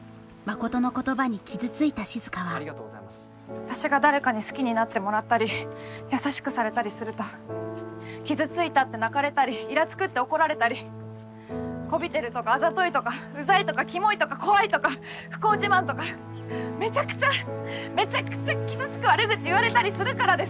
私が誰かに好きになってもらったり優しくされたりすると傷ついたって泣かれたりイラつくって怒られたりこびてるとかあざといとかうざいとかキモいとか怖いとか不幸自慢とかめちゃくちゃめちゃくちゃ傷つく悪口言われたりするからです！